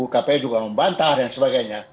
kpu juga membantah dan sebagainya